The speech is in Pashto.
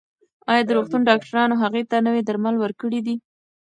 ایا د روغتون ډاکټرانو هغې ته نوي درمل ورکړي دي؟